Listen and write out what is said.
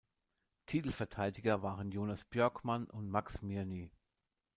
Titelverteidiger waren Jonas Björkman und Max Mirny.